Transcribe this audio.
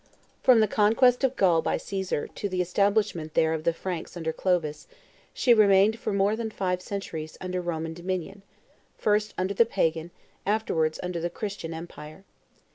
From the conquest of Gaul by Caesar, to the establishment there of the Franks under Clovis, she remained for more than five centuries under Roman dominion; first under the pagan, afterwards under the Christian empire.